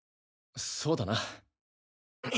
そうだな。